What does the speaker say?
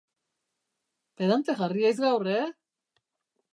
Pedante jarri haiz gaur, e?